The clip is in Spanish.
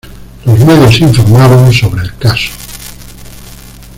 Los medios informaron sobre el caso.